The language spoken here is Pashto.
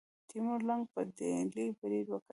تیمور لنګ په ډیلي برید وکړ.